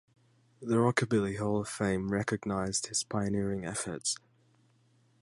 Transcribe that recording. The Rockabilly Hall of Fame recognized his pioneering efforts.